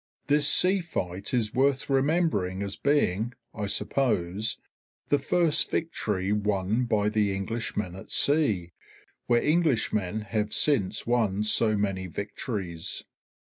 This sea fight is worth remembering as being, I suppose, the first victory won by the Englishmen at sea, where Englishmen have since won so many victories.